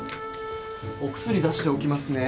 お薬出しておきますね。